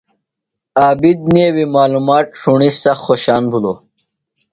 عابد نیویۡ معلومات ݜُݨی سخت خوشان بِھلوۡ۔